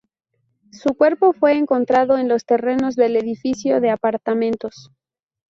Su cuerpo fue encontrado en los terrenos del edificio de apartamentos.